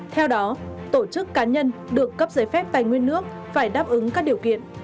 theo đó tổ chức cá nhân được cấp giấy phép tài nguyên nước phải đáp ứng các điều kiện